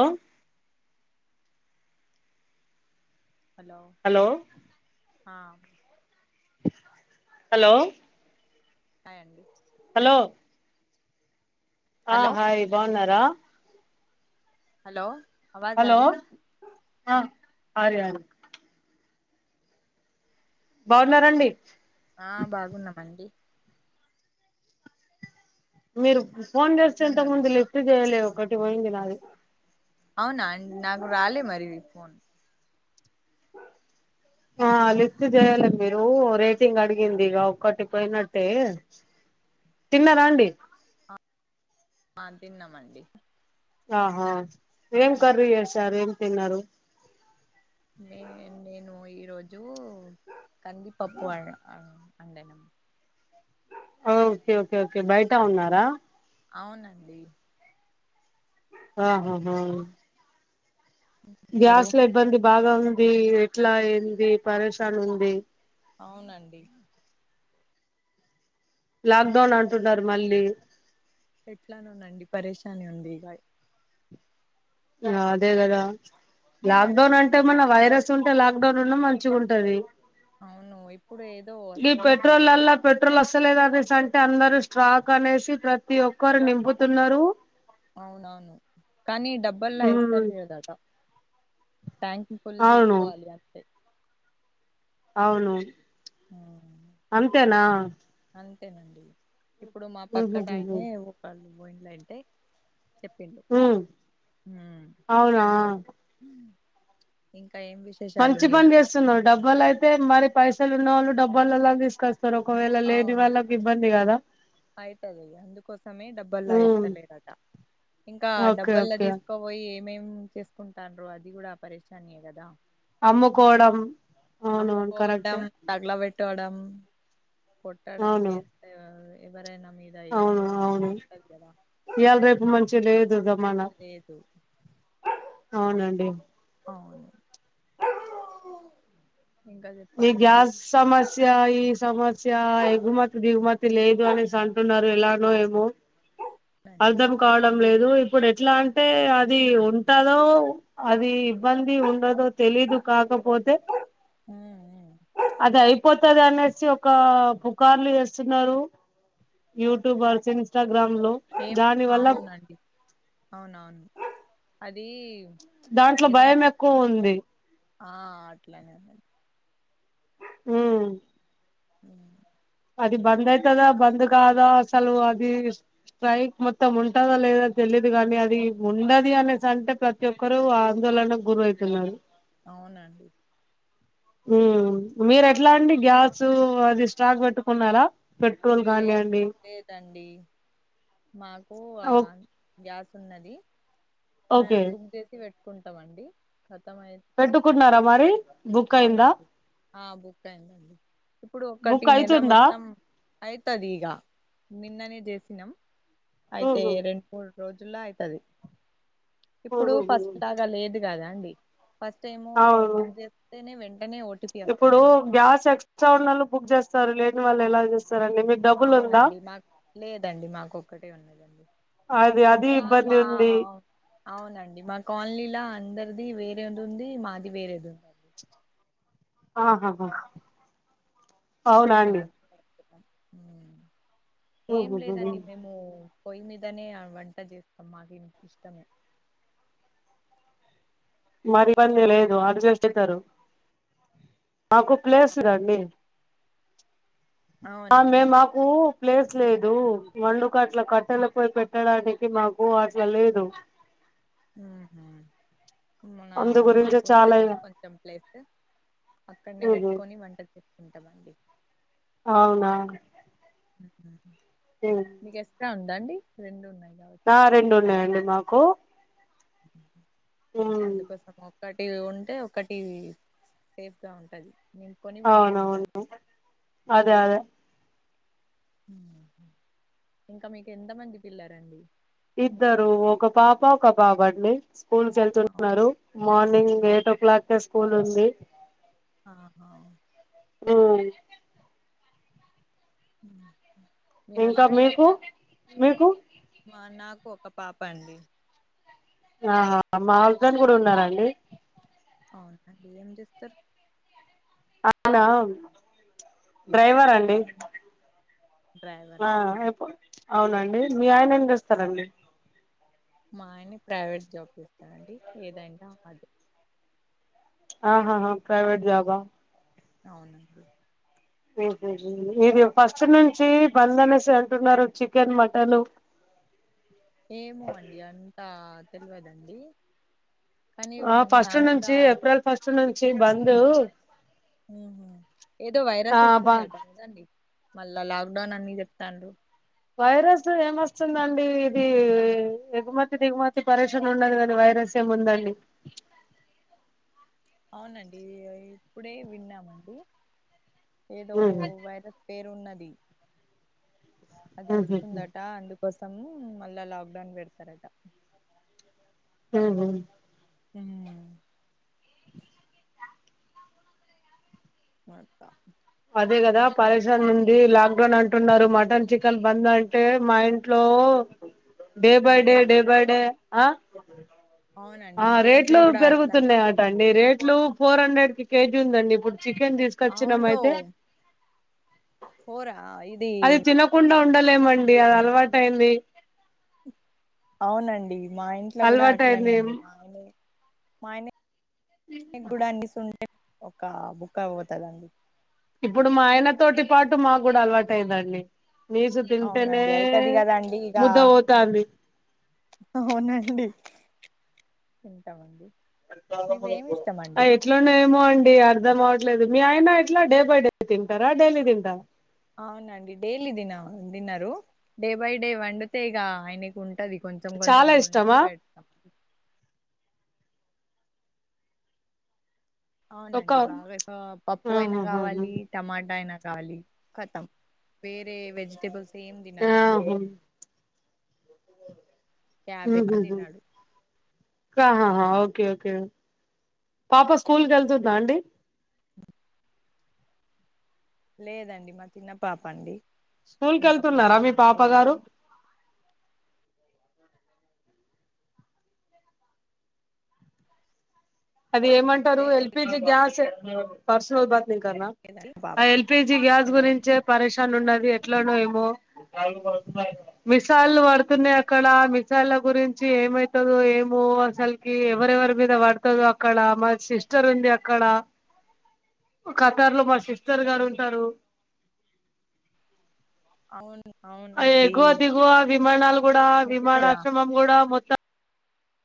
ఓ hello ఆ hello hi అండి hello ఆ హాయ్ బాగున్నారా హలో అవాజ్ హలో అది ఆ అరి అరి బాగున్నారండి ఆ బాగున్నామండి మీరు ఫోన్ చేస్తే ఎట్లా ఉన్నారు మీరు ఇంతముందు లిఫ్ట్ చేయలే ఒకటి పోయింది నాది అవునా నాకు రాలే మరి ఫోన్ ఆ లిఫ్ట్ చేయాలే మీరు రేటింగ్ అడిగింది ఇగ ఒకటి పోయినట్టే తిన్నారా అండి ఆ తిన్నమండి ఆహా ఏం కర్రి చేస రెం తిన్నారు నే నేను ఈరోజు కందిపప్పు ఆ అండానమ్ ఓకే ఓకే ఓకే బయట ఉన్నారా అవునండి ఆహా హ గారు గ్యాస్ ల ఇబ్బంది బాగా ఉంది ఎట్ల ఏంది పరషన్ ఉంది అవునండి లాక్ డౌన్ అంటున్నారు మళ్ళీ ఎట్లానోనండి పరేశాని ఉంది బై ఆ అదే గద లాక్ డౌన్ అంటే మన వైరస్ ఉంటే లాక్ డౌన్ ఉన్న మంచిగుంటది అవును ఇప్పుడు ఏదో వస్తుందట కదా వస్తాలేదు అనేసి అంటే అందరు స్ట్రాక్ అనేసి ప్రతి ఒక్కరు నింపుతున్నారు అవునవును కానీ డబ్బల్లా ఉమ్ వేస్తాలేదట ట్యాంక్ ఫుల్ అవును చేసుకోవాలి అంతే అవును అంతేనా అంతేనండి ఇప్పుడు మా ఉహుహుహు పక్కటయనే ఓతండు పోయిలైతే చెప్పిండు ఉమ్ మ్మ్ అవునా ఇ మంచి పని చేస్తున్నావ్ డబ్బల అయితే మరి పైస లున్న వాళ్ళు డబ్బలలా తీసుకస్తారు అవును అయితది అందుకోసమే డబ్బలా ఉమ్ ఇస్తలేదట ఇంకా ఓకే డబ్బల్లో ఓకే తీసుకోపోయి మేం చేసుకుంటారో అది కూడా పరేశానియ కదా అమ్ముకోవడం అవునవును కరెక్టే అమ్ముకోవడం తగల పెట్టడం కొట్టడం అవును వేస్తరూ ఎవరైనా మీద అవును ఏసడం అవును ఉంటది కదా ఇయాల రేపు మంచిగా లేదు మనం లేదు అవునండి అవును ఇంకా ఈ చెప్పాలండి గ్యాస్ సమస్య ఈ సమస్య ఎగుమతి దిగుమతి లేదు అనేసి అంటున్నారు ఎలానో ఏమో నండి అర్ధం కావడం లేదు ఇప్పుడు ఎట్లా అంటే అది ఉంటదో అది ఇబ్బంది ఉండదో తెలీదు కాకపోతే హ్మ్ హ్మ్ అది అయిపోతది అనేసి ఒక పూకార్లు చేస్తున్నారు యూట్యూబర్స్ ఇన్స్టా ఏం అవునండి అవునవును అది దాంట్లో ఏదండి భయం ఎక్కువుంది ఆ అట్లానేది హు అ అది బంద్ అయితదా, బంద్ కాదో అసలు అది బైక్ మొత్తం ఉంటదా లేదో తెలిదు. కానీ అది ఉండది అనేసి అంటే ప్రతి ఒక్కరూ ఆందోళనకు గురవుతున్నారు. అవునండి. ఉ మీరు ఎట్లా అండి గ్యాస్ అది స్టాక్ పెట్టుకున్నారా. పెట్రోల్ కానీ లేదు అండి. లేదండి మాకు గ్యాస్ ఉన్నది. ఓకే అయాన్ బుక్ చేసి పెట్ కోంటామండి. పెట్టుకున్నారా మరి బుక్ అయిందా అవునండి. ఆ బుక్ అయిందండి ఇప్పుడు ఒకటి బుక్ నెల అయితుందా మొత్తం అవుతది ఇక నీ నిన్ననే చేసినం. అయితే ఉహు రెండు మూడు. రోజుల్లో అయితది. ఇప్పుడు ఉహుహు పసుపు లాగా లేదు కదా అండి. [inaudible] ఫస్ట్ టైము అవును బుక్ చేస్తేనే వెం. ఇప్పుడు గ్యాస్ ఎక్స ఏక్సట్రా ఉన్నోళ్లు బుక్ చేస్తారు. లేని వాళ్ళు ఎలా చేస్తారు. అవునండి, మాకు లేదండి మాకు ఒక్కటే ఉన్నదండి. అది అది ఇంకా ఇబ్బంది మా ఉంది అవునండి మా కాలనీ. ఇట్లా అందరిది వేరేది ఉంది, మాది వేరేది ఉంది అండీ. ఆహాహా.. అవునా అండి. ఆ ఏం లేదండి మేము. పొయ్యి మీదనే వంట చేస్తాం. మాకు ఇష్టము. మరివంది లేదు అందు చేస్స్తారు మాకు ఆ, ప్లేస్దండి ఆ అవునా మే అండి మాకు ప్లేస్ లేదు. వండుుకు అట్లా కట్టెల పోయి పెట్టడానికి మాకు అట్లా లేదు. ఉహు మా అందు గురించి చాలా మాకున్నది కొంచెం ప్లేస్ అక్కడని పెట్టుకొని వంటది. చెప్పుకుంటామండి. అవునా మీకస్త అం దండి రెండు ఉన్నాయి కావచ్చు ఆ రెండు ఉన్నాయండి మాకు కు అందుకోసమో ఒకటి ఉంటే ఒకటి సేఫ్ గా ఉంటది నింపుకొని పెంటుకుంటారు అవునవును అదే అదే ఇంకా మీకు ఎంత మంది పిల్లలండి ఇద్దరు ఒక పాప ఒక బాబు అండి స్కూల్ కీ అవునా వెళ్తున్నారు మార్నింగ్ ఎయిట్ ఓ క్లాక్ కె నుంది ఆ హ ఆ ఉ ఇంకా మీకు మీకు మా నాకు ఒక పాప అండి ఆ హా మా హస్బెండ్ కూడా ఉన్నరండి అవునా అండి ఎం చేస్తర్ అవునా డ్రైవర్ అండి డ్రైవరా అ అండి ఏ పో అవునండి మీ ఆయన ఏం చేస్తరండి మా ఆయన ప్రైవేట్ జాబ్ జేస్తడండి ఏదంటే అదే ఆ హా హా ప్రైవేట్ జాబ్ ఆ అవునండి ఆ హ్ ఇది ఫస్ట్ నుంచి బంద్ అనేసి అంటున్నారు చికెన్ మటన్ ఏమో అండి అంత తెలవదండి ఆ ఫస్ట్ నుంచి ఏప్రిల్ ఫస్ట్ నుంచి బందు ఉ హ్ ఏదో ఆ వైరస్ బ వస్తుందట కదండి మళ్ళా లాక్ డౌన్ అన్ని చెప్తాన్రు వైరస్ ఏమొస్తుందండి ఇది ఎగుమతి దిగుమతి పరీక్షణ ఉండదు కాని వైరస్ ఏముందండి అవునండి ఇప్పుడే విన్నామండి ఏదో మ్మ్ వైరస్ పేరు ఉన్నది ది అది హ్మ్ వస్తుందట అందుకు కోసము మళ్ళా లాక్డౌన్ పెడతారట హ హ అకా అదే కదా పరేేశాన్ ఉందిడిలా ని అంటున్నారు మటన్ చికెన్ బంద్ అంటే మా ఇంట్లో day by day day by day ఆ అవునండి ఆ మా ఇంట్లో రేట్లు కూడా అట్లానే పెరుగుతున్నాయి ఆట అండి రేట్ ఇట్లు ఫోర్ హండ్రెడ్ కి కేజీ ఉందండి ఇప్పుడు చికెన్ తీసుకొచ్చినమ అవును అయితే పోరా ఇది ఉండలే మ డి అది అలవాటు అయింది అవునండి మా ఇంట్లో కూడా అలవాటు అట్లనే అయింది అండి మా మాయనే నిగ్గుడనీ ఒక బుక్ అవ్వపోతుందండి ఇప్పుడు మా ఆయన తోటి పాటు మాకు కూడా అలవాట అయిందండి నీజు తింటేనే అవునండి అయితది కదండి ఇక ముద్ద పోతాంది అవునండి తింటామండి మీకు ఏమి ఇష్టం అండి ఎట్లాన్నాేమో అండి అర్ధంట లేదు మీ అయినా ఎట్లా డే బై డే తింటారా డైలీ తింటారా అవునండి డైలీ తిన తినరు డే బై డే వండితే ఇక ఆయనకి ఉంట పది కొంచెం కొంచెం చాలా మంచి ఇష్టమా పె ఒక అవునండి బాగా పప్పు అయినా ఆహాహా కావాలి టమాటా అయినా గాల కతం వేరే వెజిటేబల్స్ సేమ్ తినారంండి ఆహా యాభై తిన్నాడు హాహా ఓకే ఓకే పాప స్కూల్ క వెళ్తుందా అండి లేదండి మా చిన్న పాప అండి స్కూల్ కి ఇంకా వెళ్తున్నారా మీ పాప వేయలే గారు అండి అది ఏమంటారు ఎల్పిజి గ్యాస్ పర్సల్ బ లేదండి పాప ఎల్పిజి గ్యాస్ హలో గురి ప ఉన్నది ఎట్లానో ఏమో మిసైల్ పడుతున్నాయి అక్కడ మిసైల గురించి ఏమైతుందో ఏమో అసల్కి ఎవరెవరి మీద పడుతు అక్కడ మా సిస్టర్ ఉంది అక్కడ ఖతార్ లో మా సిస్టర్ గారు ఉంటారు అవును అవునండి ఎగువ దిగువ విమానాల కూడాడా మీ విమాన సిస్టరా ఆశ్రమం కూడాడా మొత్త